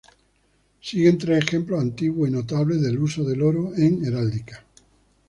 Siguen tres ejemplos antiguos y notables del uso del oro en heráldica.